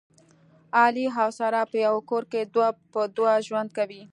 علي او ساره په یوه کور کې دوه په دوه ژوند کوي